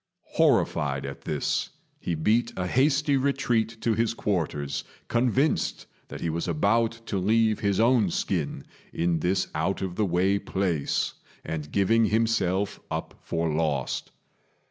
Horrified at this, he beat a hasty retreat to his quarters, convinced that he was about to leave his own skin in this out of the way place, and giving himself up for lost.